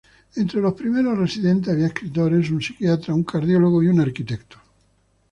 Entre los primeros residentes había escritores, un psiquiatra, un cardiólogo y un arquitecto.